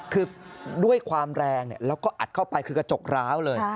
คือด้วยความแรงแล้วก็อัดเข้าไปคือกระจกร้าวเลย